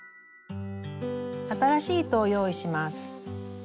新しい糸を用意します。